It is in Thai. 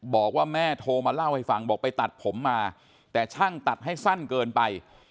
บอกว่าแม่โทรมาเล่าให้ฟังบอกไปตัดผมมาแต่ช่างตัดให้สั้นเกินไป